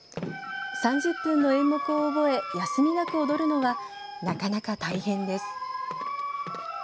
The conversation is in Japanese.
３０分の演目を覚え休みなく踊るのはなかなか大変です。